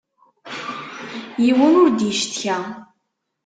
Yiwen ur d-icetka.